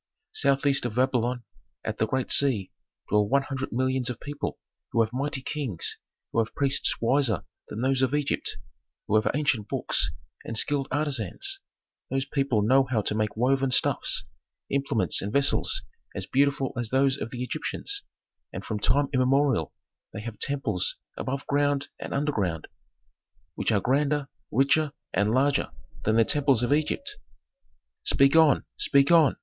"Southeast of Babylon, at the great sea, dwell one hundred millions of people who have mighty kings, who have priests wiser than those of Egypt, who have ancient books, and skilled artisans. Those people know how to make woven stuffs, implements and vessels as beautiful as those of the Egyptians, and from time immemorial they have temples above ground and underground, which are grander, richer, and larger than the temples of Egypt." "Speak on, speak on!"